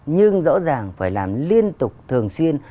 nhưng rõ ràng phải làm liên tục thường xuyên